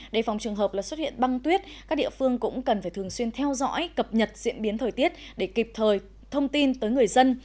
đề phòng trường hợp xuất hiện băng tuyết các địa phương cũng cần phải thường xuyên theo dõi cập nhật diễn biến thời tiết để kịp thời thông tin tới người dân